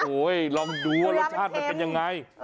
โอ้โหลองดูว่ารสชาติมันเป็นยังไง